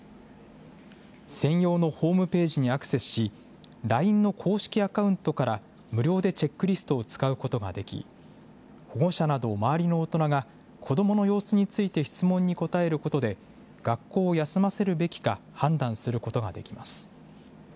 専用のホームページにアクセスし、ＬＩＮＥの公式アカウントから無料でチェックリストを使うことができ、保護者など周りの大人が子どもの様子について質問に答えることで、学校を休ませるべきか、判断することができます。